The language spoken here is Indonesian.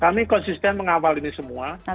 kami konsisten mengawal ini semua